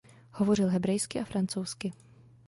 Hovořil hebrejsky a francouzsky.